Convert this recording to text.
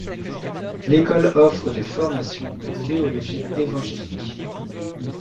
L'école offre des formations de théologie évangélique.